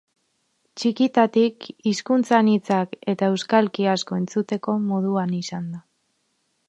Txikitatik hizkuntza anitzak eta euskalki asko entzuteko moduan izan da.